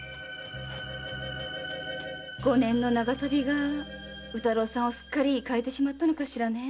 五年の長旅が宇太郎さんをすっかり変えてしまったのかしら。